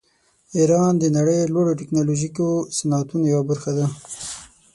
ایران د نړۍ د لوړو ټیکنالوژیکو صنعتونو یوه برخه ده.